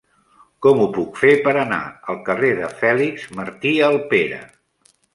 Com ho puc fer per anar al carrer de Fèlix Martí Alpera?